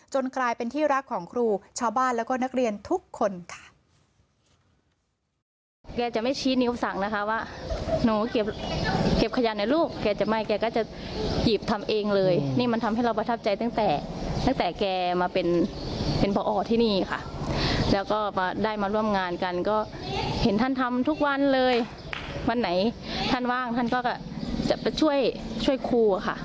กลายเป็นที่รักของครูชาวบ้านแล้วก็นักเรียนทุกคนค่ะ